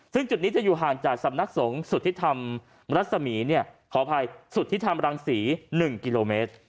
ซึ่งจุดนี้จะอยู่ห่างจากสำนักสงฆ์สุทธิธรรมรัศมีร์ขออภัยสุทธิธรรมรังศรี๑กิโลเมตร